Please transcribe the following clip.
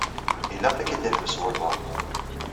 Ilaq ad k-id-iḥbes walebɛaḍ.